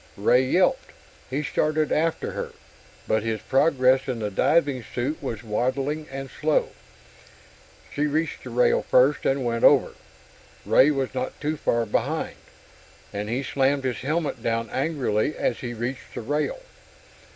Ray yelped. He started after her, but his progress in the diving suit was waddling and slow. She reached the rail first and went over. Ray was not too far behind, and he slammed his helmet down angrily as he reached the rail.